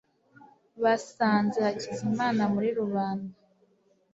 basanze hakizimana muri rubanda